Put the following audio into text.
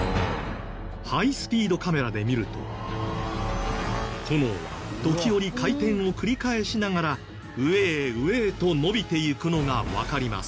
ハイスピードカメラで見ると炎は時折回転を繰り返しながら上へ上へと伸びていくのがわかります。